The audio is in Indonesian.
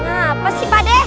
apa sih pak de